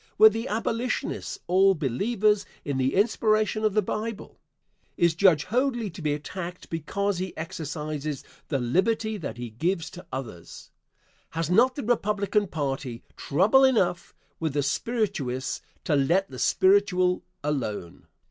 Were the abolitionists all believers in the inspiration of the Bible? Is Judge Hoadly to be attacked because he exercises the liberty that he gives to others? Has not the Republican party trouble enough with the spirituous to let the spiritual alone?